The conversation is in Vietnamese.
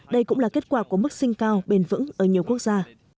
đây cũng là kết quả của mức sinh cao bền vững ở nhiều quốc gia